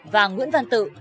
và nguyễn văn tự